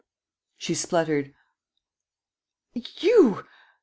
She spluttered: "You!